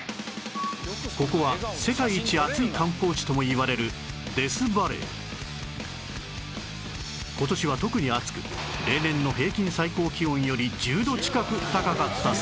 ここは世界一暑い観光地ともいわれる今年は特に暑く例年の最高気温より１０度近く高かったそう